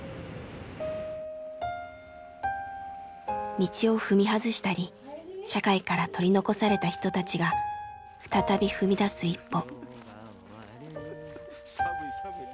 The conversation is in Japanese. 道を踏み外したり社会から取り残された人たちが再び踏み出す一歩。